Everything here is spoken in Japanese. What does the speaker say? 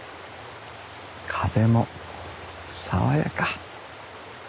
風も爽やか。